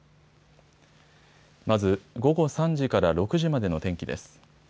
まず、午後３時から６時までの天気です。